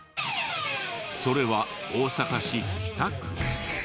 それは大阪市北区。